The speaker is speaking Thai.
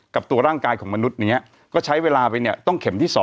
กับตัวร่างกายของมนุษย์นี้ก็ใช้เวลาไปเนี่ยต้องเข็มที่๒